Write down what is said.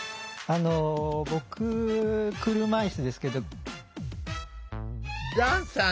あの僕車いすですけど。